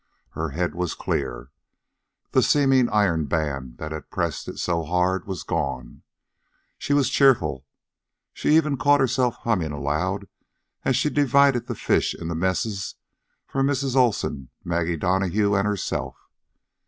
Her head was clear. The seeming iron band that had pressed it so hard was gone. She was cheerful. She even caught herself humming aloud as she divided the fish into messes for Mrs. Olsen, Maggie Donahue, and herself.